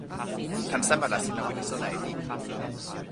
tan seme la sina wile sona e ni?